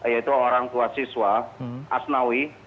yaitu orang tua siswa asnawi